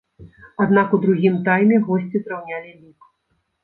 Аднак у другім тайме госці зраўнялі лік.